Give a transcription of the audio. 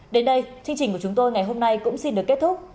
đến đây chương trình của chúng tôi ngày hôm nay cũng xin được kết thúc